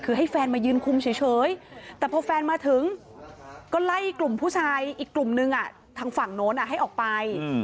คือให้แฟนมายืนคุมเฉย